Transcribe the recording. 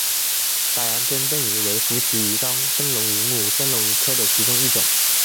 大洋珍灯鱼为辐鳍鱼纲灯笼鱼目灯笼鱼科的其中一种。